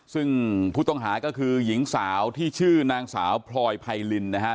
ซึ่งผู้ต้องหาก็คือหญิงสาวที่ชื่อนางสาวพลอยไพรินนะฮะ